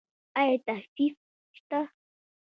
ایا تخفیف شته؟